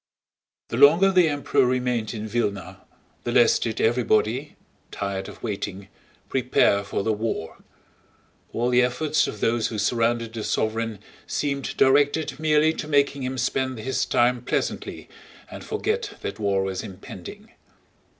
The longer the Emperor remained in Vílna the less did everybody—tired of waiting—prepare for the war. All the efforts of those who surrounded the sovereign seemed directed merely to making him spend his time pleasantly and forget that war was impending.